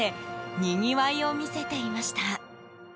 にぎわいを見せていました。